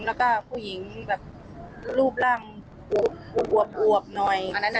แล้วก็ผู้หญิงแบบรูปร่างอวบหน่อย